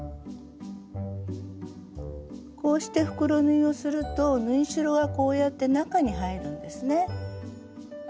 こうして袋縫いをすると縫い代はこうやって中に入るんですね。